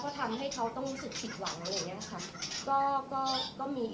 ก็ทำให้เขาต้องรู้สึกผิดหวังอะไรเนี้ยค่ะก็ก็ก็มี